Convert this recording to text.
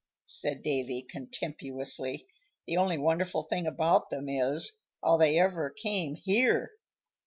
said Davy, contemptuously; "the only wonderful thing about them is, how they ever came here."